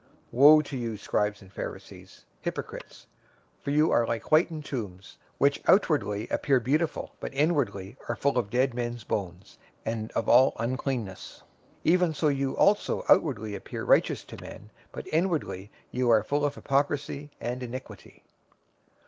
023:027 "Woe to you, scribes and Pharisees, hypocrites! For you are like whitened tombs, which outwardly appear beautiful, but inwardly are full of dead men's bones, and of all uncleanness. 023:028 Even so you also outwardly appear righteous to men, but inwardly you are full of hypocrisy and iniquity.